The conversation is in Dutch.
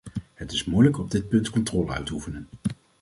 Het is moeilijk op dit punt controle uit te oefenen.